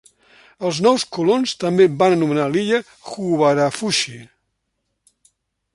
Els nous colons també van anomenar la illa "Huvarafushi".